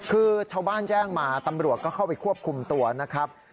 คือชาวบ้านแจ้งมาตำรวจก็เข้าไปควบคุมตัวนะครับ